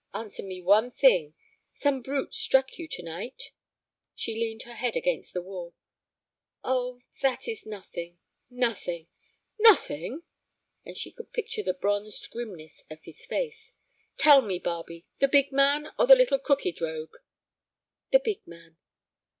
Answer me one thing. Some brute struck you to night?" She leaned her head against the wall. "Oh, that is nothing—nothing." "Nothing!" And she could picture the bronzed grimness of his face. "Tell me, Barbe—the big man, or the little crooked rogue?" "The big man."